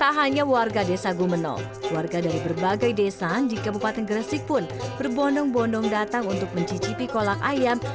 tak hanya warga desa gumenong warga dari berbagai desa di kabupaten gresik pun berbondong bondong datang untuk mencicipi kolak ayam